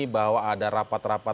bahwa ada rapat rapat